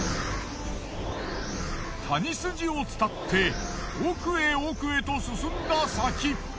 谷筋を伝って奥へ奥へと進んだ先。